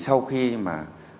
thì sau khi mà